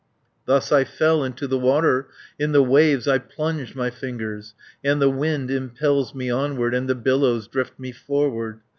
70 "Thus I fell into the water, In the waves I plunged my fingers, And the wind impels me onward, And the billows drift me forward.